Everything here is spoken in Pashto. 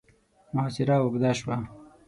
محاصره اوږده شوه.